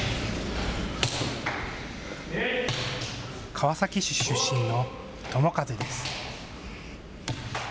川崎市出身の友風です。